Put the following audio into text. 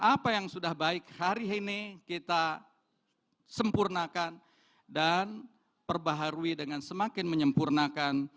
apa yang sudah baik hari ini kita sempurnakan dan perbaharui dengan semakin menyempurnakan